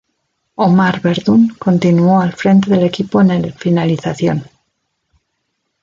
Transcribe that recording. Omar Verdún continuó al frente del equipo en el Finalización.